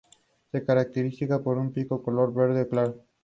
Todas las canciones escritas por Mike Ness menos aquellas indicadas.